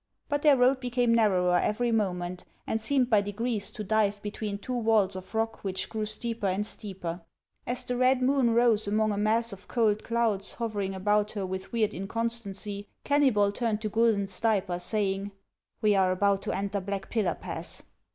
But their road became narrower every moment, and seemed by degrees to dive between two walls of rock which grew steeper and steeper. As the red moon rose among a mass of cold clouds hovering about her with weird inconstancy, Kenny bol turned to Guidon Stayper, saying, ""We are about to enter Black Pillar Pass.